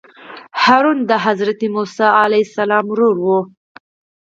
هارون د حضرت موسی علیه السلام ورور وو.